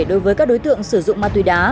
đối với các đối tượng sử dụng ma túy đá